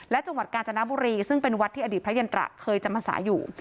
และจังหวัดกาญจนบุรีซึ่งเป็นวัดที่อดีตพระยันตระเคยจะมาสาอยู่